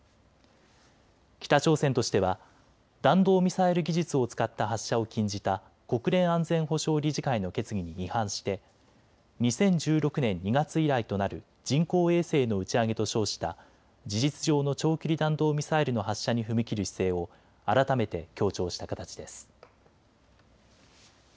北朝鮮としては弾道ミサイル技術を使った発射を禁じた国連安全保障理事会の決議に違反して２０１６年２月以来となる人工衛星の打ち上げと称した事実上の長距離弾道ミサイルの発射に踏み切る姿勢を改めて強調した形です。